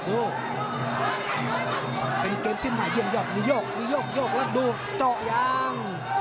โอ้เป็นเกมที่หมายยกยกมีโยกมีโยกโยกแล้วดูเจาะยัง